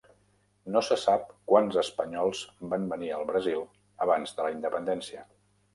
No se sap quants espanyols van venir al Brasil abans de la independència.